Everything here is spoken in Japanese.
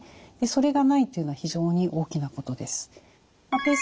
それがないっていうのは非常に大きなことです。